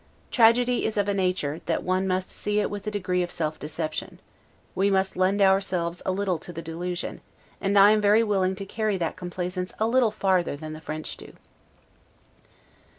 Tragedy is of a nature, that one must see it with a degree of self deception; we must lend ourselves a little to the delusion; and I am very willing to carry that complaisance a little farther than the French do.